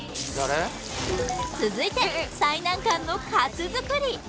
続いて最難関のカツ作り